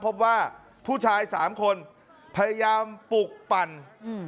พบว่าผู้ชายสามคนพยายามปลุกปั่นอืม